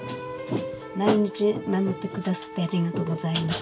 毎日守って下すってありがとうございます。